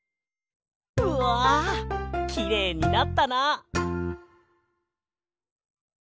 うわきれいになったな！